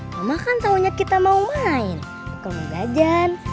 mama kan taunya kita mau main kalau mau jajan